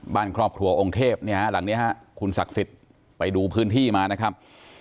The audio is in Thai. บ้านครอบครัวองค์เทพเนี่ยหลังนี้ฮะคุณศักดิ์สิทธิ์ไปดูพื้นที่มานะครับ